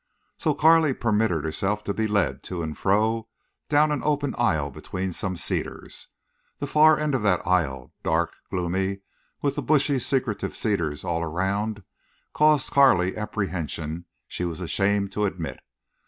So Carley permitted herself to be led to and fro down an open aisle between some cedars. The far end of that aisle, dark, gloomy, with the bushy secretive cedars all around, caused Carley apprehension she was ashamed to admit.